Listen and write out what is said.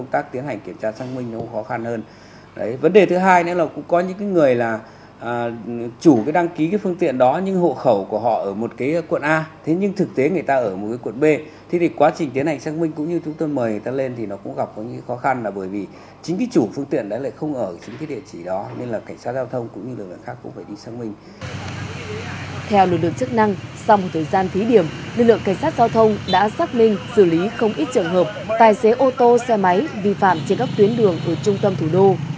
theo lực lượng chức năng sau một thời gian thí điểm lực lượng cảnh sát giao thông đã xác minh xử lý không ít trường hợp tài xế ô tô xe máy vi phạm trên góc tuyến đường ở trung tâm thủ đô